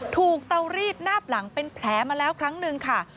เตารีดหน้าบหลังเป็นแผลมาแล้วครั้งหนึ่งค่ะ